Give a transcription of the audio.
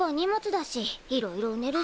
いろいろうねるし。